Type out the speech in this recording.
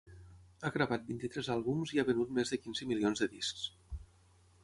Ha gravat vint-i-tres àlbums i ha venut més de quinze milions de discs.